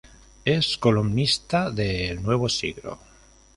Es columnista de El Nuevo Siglo.